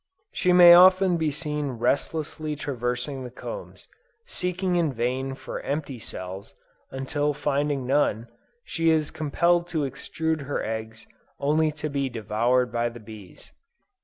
She may often be seen restlessly traversing the combs, seeking in vain for empty cells, until finding none, she is compelled to extrude her eggs only to be devoured by the bees.